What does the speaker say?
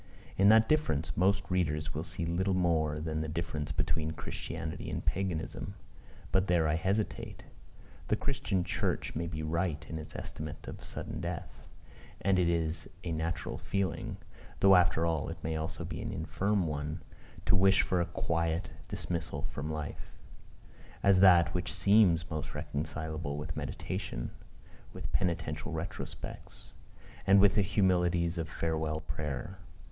In that difference, most readers will see little more than the difference between Christianity and Paganism. But there I hesitate. The Christian church may be right in its estimate of sudden death; and it is a natural feeling, though after all it may also be an infirm one, to wish for a quiet dismissal from life as that which seems most reconcilable with meditation, with penitential retrospects, and with the humilities of farewell prayer.